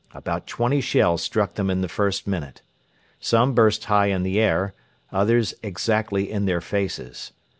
About twenty shells struck them in the first minute. Some burst high in the air, others exactly in their faces.